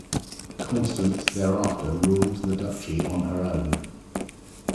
Constance thereafter ruled the Duchy on her own.